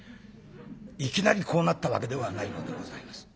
いきなりこうなったわけではないのでございます。